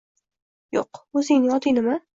— Yo‘q, o‘zingni oting nima?